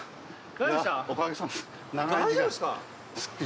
大丈夫ですか⁉